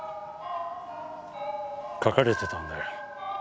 書かれてたんだよ